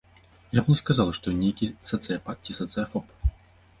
Я б не сказала, што ён нейкі сацыяпат ці сацыяфоб.